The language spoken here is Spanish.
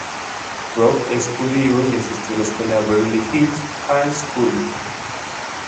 Brooks es judío y asistió a la escuela Beverly Hills High School.